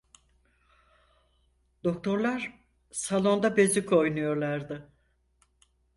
Doktorlar salonda bezik oynuyorlardı.